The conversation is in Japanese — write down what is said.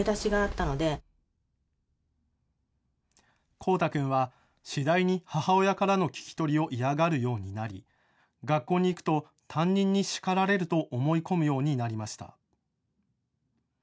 コウタ君は次第に母親からの聞き取りを嫌がるようになり学校に行くと担任に叱られると思い込むようになりました。